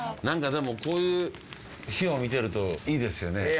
何かでもこういう火を見てるといいですよね。